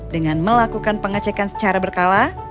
dengan melakukan pengecekan secara berkala